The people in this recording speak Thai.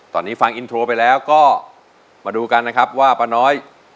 ตอนนี้ฟังอินโทรไปแล้วก็มาดูกันนะครับว่าป้าน้อย